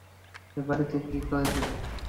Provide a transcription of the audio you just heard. ঐ বাড়িতে কী করছিলে?